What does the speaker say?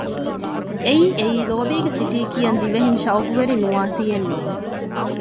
އެއީ އެއީ ލޯބީގެ ސިޓީ ކިޔަން ދިވެހިން ޝައުގުވެރި ނުވާތީއެއް ނޫން